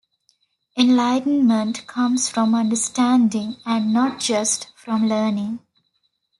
Enlightenment comes from understanding and not just from learning.